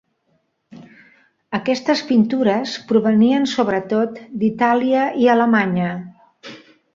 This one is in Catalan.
Aquestes pintures provenien sobretot d'Itàlia i Alemanya.